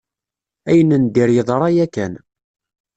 Ayen n dir yeḍra yakan.